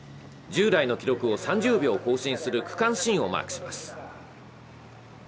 従来の記録を３０秒更新する区間新をマークします。